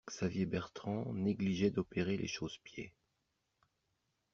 Xavier Bertrand négligeait d'opérer les chausse-pieds.